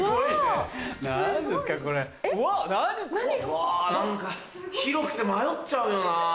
うわ何か広くて迷っちゃうよな。